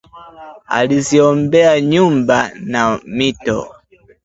Aliziombea nyumba na mito